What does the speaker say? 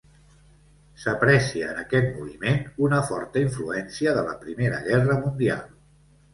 S'aprecia en aquest moviment una forta influència de la Primera Guerra Mundial.